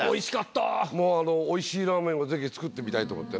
もうおいしいラーメンをぜひ作ってみたいと思ってね。